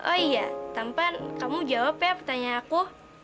oh iya tampan kamu jawab ya pertanyaan aku